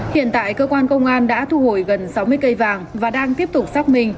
hiện tại cơ quan công an đã thu hồi gần sáu mươi cây vàng và đang tiếp tục xác minh